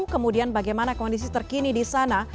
kemudian bagaimana kondisi terkini di sana